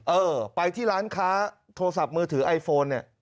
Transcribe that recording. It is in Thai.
เออไปที่ร้านค้าโทรศัพท์มือถือไอโฟนเนี่ย